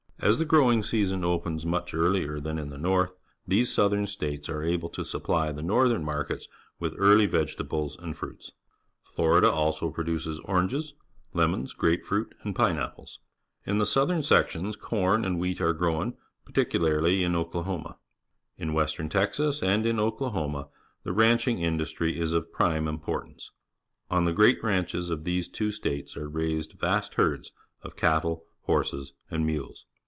As the growing season opens much earlier than in the north, these Southern States are able to supply the northern markets with early vegetables and fruits. Florida also produces oranges, lem on s^ grape fruit,, and pineapples? In the northern sections corn and whejit are grown, particularly in Okla Negro Women cutting Sugar cane, Louisiana homa. In western Texas and in Oklahoma the ranching industry is of prime importance. On the great ranches of these two states are raised vast herds of cattle ^horses, and mules.